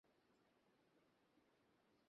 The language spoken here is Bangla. আলু কাটছি এখনও।